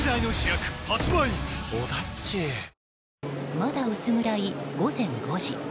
まだ薄暗い午前５時。